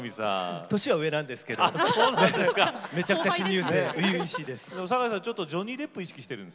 年は上なんですけれどもめちゃくちゃ初々しいです。